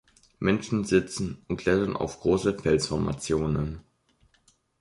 Menschen sitzen und klettern auf großen Felsformationen.